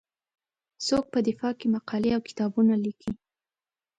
څوک په دفاع کې مقالې او کتابونه لیکي.